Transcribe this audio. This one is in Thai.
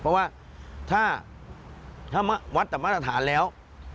เพราะว่าถ้าวัดแต่มาตรฐานแล้ว